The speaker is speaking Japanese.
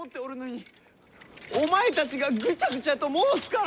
お前たちがぐちゃぐちゃと申すから！